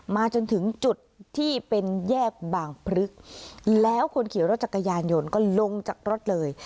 จนถึงจุดที่เป็นแยกบางพลึกแล้วคนขี่รถจักรยานยนต์ก็ลงจากรถเลย